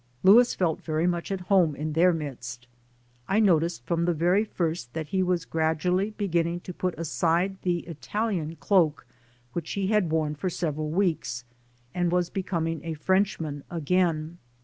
Louis felt very much at home in their midst. I noticed from the very first that he was gradually beginning to put aside the Italian cloak which he had worn for sev eral weeks and was becoming a Frenchman again.